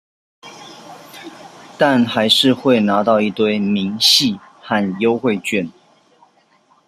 但還是會拿到一堆明細和優惠券